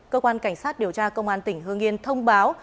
cơ quan cảnh sát điều tra công an tỉnh hương yên thông báo